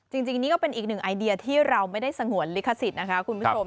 จริงนี่ก็เป็นอีกหนึ่งไอเดียที่เราไม่ได้สงวนลิขสิทธิ์นะคะคุณผู้ชม